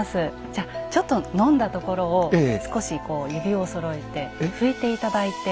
じゃちょっと飲んだところを少しこう指をそろえて拭いて頂いて。